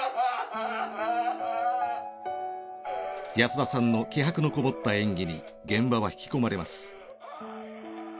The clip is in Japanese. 安田さんの気迫のこもった演技に現場は引き込まれます。